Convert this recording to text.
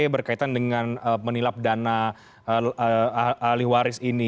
berkaitan dengan menilap dana ahli waris ini